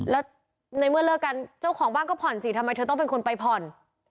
แล้วในเมื่อเลิกกันเจ้าของบ้านก็ผ่อนสิทำไมเธอต้องเป็นคนไปผ่อน